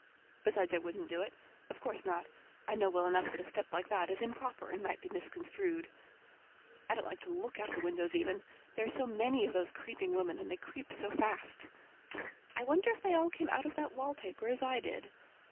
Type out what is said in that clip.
Besides I wouldn't do it. Of course not. I know well enough that a step like that is improper and might be misconstrued. I don't like to look out of the windows even—there are so many of those creeping women, and they creep so fast. I wonder if they all come out of that wallpaper as I did?